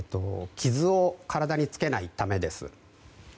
傷を体につけないためです。